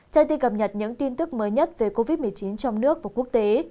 trên tin cập nhật những tin tức mới nhất về covid một mươi chín trong nước và quốc tế